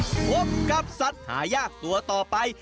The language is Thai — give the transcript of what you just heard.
พบกับสัตว์หายากตัวต่อไป